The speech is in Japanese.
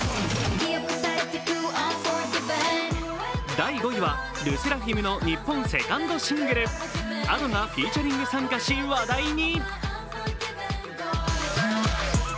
第５位はＬＥＳＳＥＲＡＦＩＭの日本セカンドシングルＡｄｏがフィーチャリング参加し、話題に。